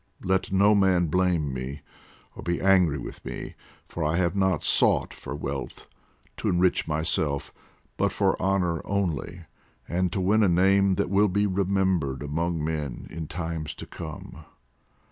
Let no man blame me, or be angry with me, for I have not sought for wealth, to enrich myself, but for honour only, and to win a name that will be remembered among men in times to come."